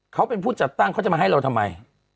เขาเป็นผู้จัดตั้งเขาจะมาให้เราทำไม